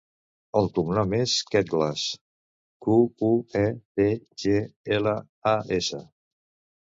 El cognom és Quetglas: cu, u, e, te, ge, ela, a, essa.